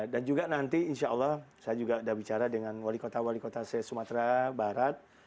dan juga nanti insya allah saya juga ada bicara dengan wali kota wali kota saya sumatera barat